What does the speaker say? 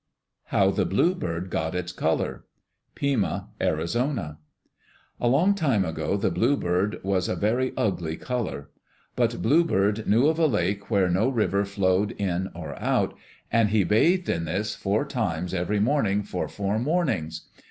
How the Bluebird Got its Color Pima (Arizona) A long time ago, the bluebird was a very ugly color. But Bluebird knew of a lake where no river flowed in or out, and he bathed in this four times every morning for four mornings.